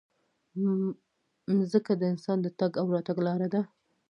مځکه د انسان د تګ او راتګ لاره ده.